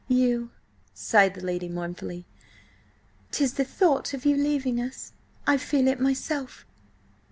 "You," sighed the lady mournfully. "'Tis the thought of your leaving us. I feel it myself."